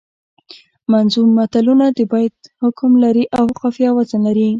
منظوم متلونه د بیت حکم لري او قافیه او وزن لري